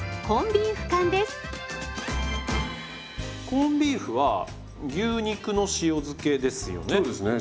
コンビーフは牛肉の塩漬けですよね？